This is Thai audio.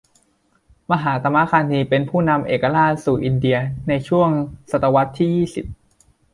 มหาตมะคานธี เป็นผู้นำเอกราชสู่อินเดียในช่วงศตวรรษที่ยี่สิบ